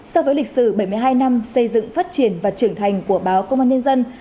so với lịch sử bảy mươi hai năm xây dựng phát triển và trưởng thành của báo công an nhân dân